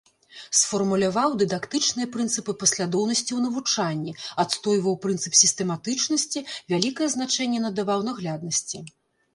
Сфармуляваў дыдактычныя прынцыпы паслядоўнасці ў навучанні, адстойваў прынцып сістэматычнасці, вялікае значэнне надаваў нагляднасці.